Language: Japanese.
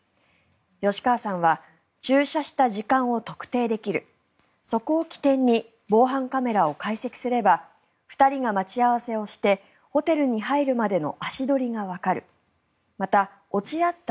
吉川さんは駐車した時間を特定できるそこを起点に防犯カメラを解析すれば２人が待ち合わせをしてホテルに入るまでの足取りがわかるまた、落ち合った